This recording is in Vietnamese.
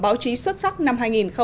báo chí xuất sắc năm hai nghìn một mươi tám